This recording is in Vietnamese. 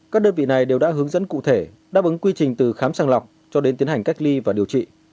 các đơn vị này đều đã hướng dẫn cụ thể đáp ứng quy trình từ khám sàng lọc cho đến tiến hành cách ly và điều trị